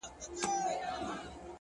که دې د سترگو له سکروټو نه فناه واخلمه ـ